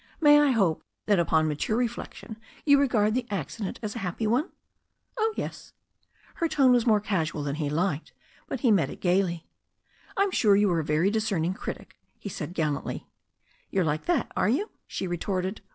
"May I hope that upon mature reflection you regard the accident as a happy one." "Oh, yes." Her tone was more casual than he liked, but he met it gaily. "I'm sure you are a very discerning critic," he said gal lantly. "You're like that, are you?" she retorted.